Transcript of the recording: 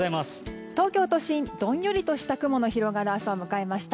東京都心、どんよりとした雲の広がる朝を迎えました。